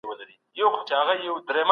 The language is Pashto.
سیاستپوهنه یوازې د پوهنتون لپاره نه ده.